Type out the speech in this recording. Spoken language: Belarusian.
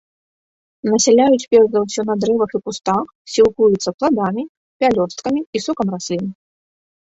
Насяляюць перш за ўсе на дрэвах і кустах, сілкуюцца пладамі, пялёсткамі і сокам раслін.